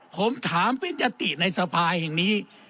ผมถามเป็นยติในสภาแห่งนี้